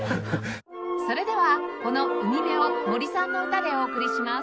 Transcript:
それではこの『海辺』を森さんの歌でお送りします